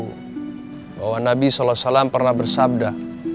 nabi salallahu alaihi wasallam pernah bersabda